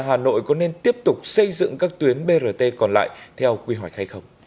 hà nội có nên tiếp tục xây dựng các tuyến brt còn lại theo quy hoạch hay không